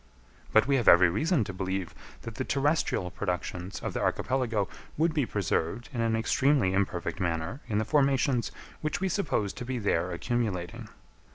But we have every reason to believe that the terrestrial productions of the archipelago would be preserved in an extremely imperfect manner in the formations which we suppose to be there accumulating.